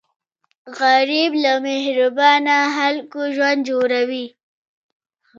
غریب له مهربانه خلکو ژوند جوړوي